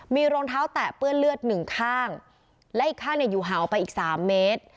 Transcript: มีรองเท้าแตะเปื้อนเลือดหนึ่งข้างและอีกข้างเนี่ยอยู่ห่างไปอีกสามเมตร